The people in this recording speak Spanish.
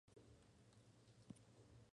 Fragancia suave.